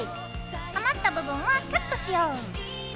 余った部分はカットしよう。